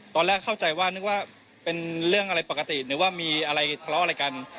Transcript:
ตอนแรกเข้าใจว่านึกว่าเป็นเรื่องอะไรปกติหรือว่ามีอะไรทะเลาะอะไรกัน